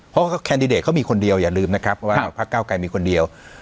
เพราะแคนดิเดตเขามีคนเดียวอย่าลืมนะครับว่าพักเก้าไกรมีคนเดียว